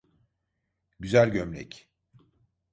Güzel gömlek.